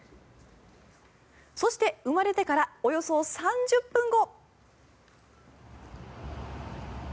そして、生まれてからおよそ３０分後。